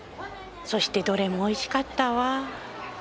そしてどれもおいしかったわ。